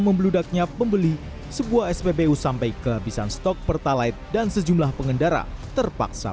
membludaknya pembeli sebuah sbbu sampai kehabisan stok pertalaid dan sejumlah pengendara terpaksa